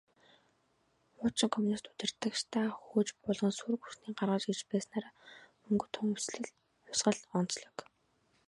Хуучин коммунист удирдагчдаа хөөж буулган, сөрөг хүчнийг гаргаж ирж байснаараа «Өнгөт хувьсгал» онцлог.